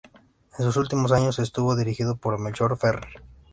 En sus últimos años estuvo dirigido por Melchor Ferrer.